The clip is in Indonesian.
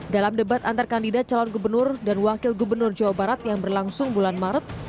dalam debat antar kandidat calon gubernur dan wakil gubernur jawa barat yang berlangsung bulan maret